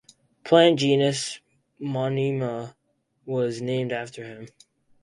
Plant genus Monnina was named after him.